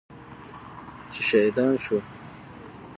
چې شهیدان شو.